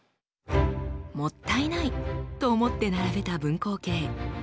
もったいないと思って並べた分光計。